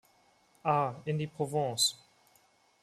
A: In die Provence.